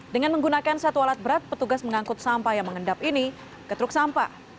dengan menggunakan satu alat berat petugas mengangkut sampah yang mengendap ini ke truk sampah